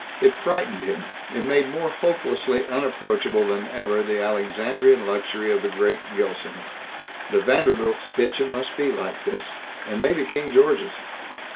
It frightened him; it made more hopelessly unapproachable than ever the Alexandrian luxury of the great Gilsons.... The Vanderbilts' kitchen must be like this. And maybe King George's.